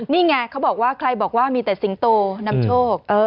นี่ไงเขาบอกว่าใครบอกว่ามีแต่สิงโตนำโชค